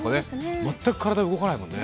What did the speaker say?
全く体動かないもんね。